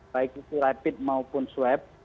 baik itu rapid maupun swab